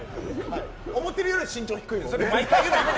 思ってるより身長低い。